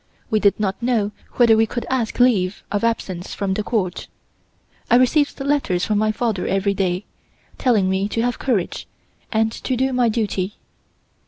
We did not know whether we could ask leave of absence from the Court. I received letters from my father every day, telling me to have courage, and to do my duty.